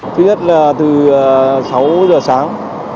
thứ nhất là từ sáu giờ sáng